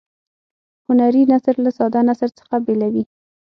هنري نثر له ساده نثر څخه بیلوي.